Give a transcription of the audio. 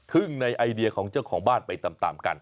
ึ่งในไอเดียของเจ้าของบ้านไปตามกัน